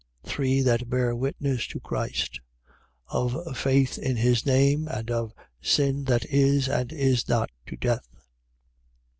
Three that bear witness to Christ. Of faith in his name and of sin that is and is not to death.